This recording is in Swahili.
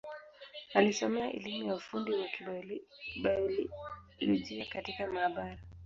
Alisomea elimu ya ufundi wa Kibiolojia katika maabara.